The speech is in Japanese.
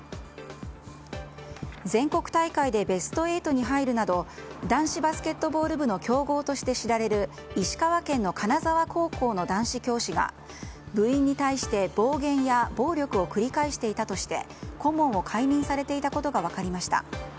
全国大会でベスト８に入るなど男子バスケットボール部の強豪として知られる石川県の金沢高校の男子教師が部員に対して暴言や暴力を繰り返していたとして顧問を解任されていたことが分かりました。